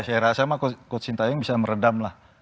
saya rasa sama coach sinta yang bisa meredamlah